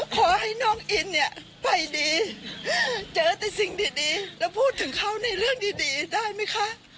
ขอให้น้องอินเนี่ยไปดีเจอแต่สิ่งดีแล้วพูดถึงเขาในเรื่องดีได้ไหมคะ